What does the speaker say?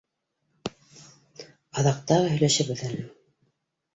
Аҙаҡ тағы һөйләшербеҙ әле.